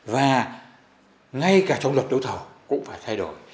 và ngay cả trong luật đấu thầu cũng phải thay đổi